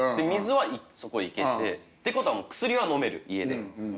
水はそこいけて。ってことはもう薬はのめる家で。